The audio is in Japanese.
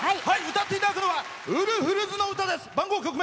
歌っていただくのはウルフルズの歌です。